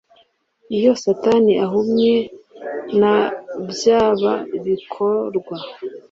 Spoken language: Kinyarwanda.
iyo satani ahumye nabyaba bikorwa